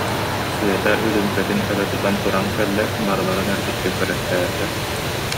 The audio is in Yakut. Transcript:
Света үрүүмкэтин өрө тутан туран кэллэ, барыларын эргиччи көрөттөөтө: